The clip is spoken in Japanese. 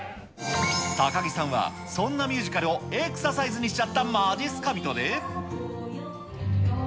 高木さんはそんなミュージカルを、エクササイズにしちゃったまじっすか人で。